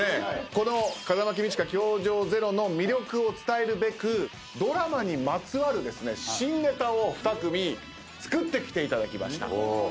この『風間公親−教場０−』の魅力を伝えるべくドラマにまつわる新ネタを２組作ってきていただきました。